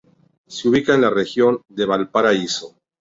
Se ubica en la Región de Valparaíso.